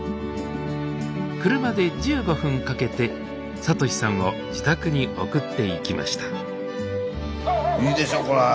車で１５分かけて哲史さんを自宅に送っていきましたいいでしょこれ。